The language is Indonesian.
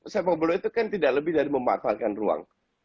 semua game itu tidak lebih dari memanfaatkan ruang